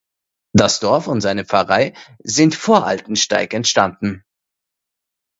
Das Dorf und seine Pfarrei sind vor Altensteig entstanden.